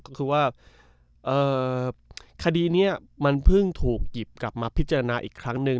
ก็คือว่าคดีนี้มันเพิ่งถูกหยิบกลับมาพิจารณาอีกครั้งหนึ่ง